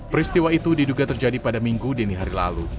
peristiwa itu diduga terjadi pada minggu dini hari lalu